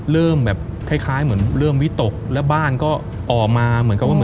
เริ่มแบบคล้ายคล้ายเหมือนเริ่มวิตกแล้วบ้านก็ออกมาเหมือนกับว่า